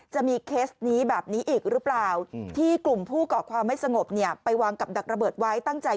จะมีเคสนี้แบบนี้อีกหรือเปล่าที่กลุ่มผู้เกาะความไม่สงบเนี่ยไปวางกับดักระเบิดไว้ตั้งใจ